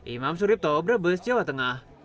imam suripto brebes jawa tengah